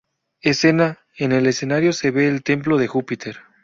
Escena: "En el escenario se ve el templo de Júpiter.